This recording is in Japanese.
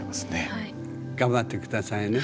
頑張って下さいね。